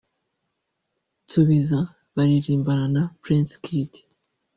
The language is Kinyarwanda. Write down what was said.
‘Nsubiza’ baririmbana na Prince Kid